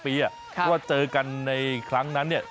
เพราะว่าเจอกันในครั้งนั้นเนี่ย